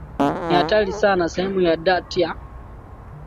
ni hatari sana Sehemu ya dart ya